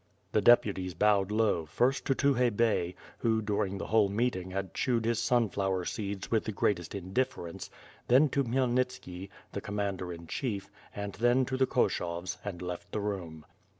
The deputies bowed low, first to Tukhay Bey, who during the whole meeting had chewed his sunflower seeds with the greatest indifference; thou to Khmyelnitski, the commander in chief, and then <o the Koshovs and left the room.